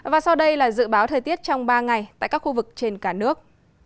và sau đây là dự báo thời tiết trong ba ngày tại các khu vực trên cả nước